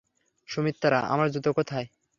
সুমিত্রা, আমার জুতা কোথায়?